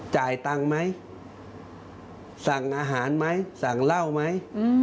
จ่ายตังค์ไหมสั่งอาหารไหมสั่งเหล้าไหม